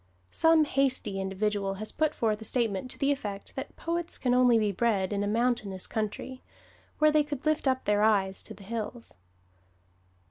Some hasty individual has put forth a statement to the effect that poets can only be bred in a mountainous country, where they could lift up their eyes to the hills.